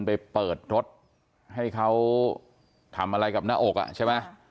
ไปเปิดรถให้เขาทำอะไรกับหน้าอกอ่ะใช่ไหม